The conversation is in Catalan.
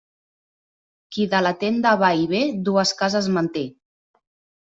Qui de la tenda va i ve, dues cases manté.